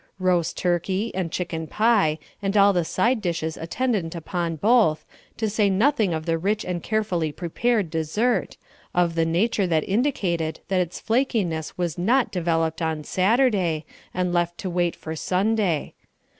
Roast turkey, and chicken pie, and all the side dishes attendant upon both, to say nothing of the rich and carefully prepared dessert, of the nature that indicated that its flankiness was not developed on Saturday, and left to wait for Sunday.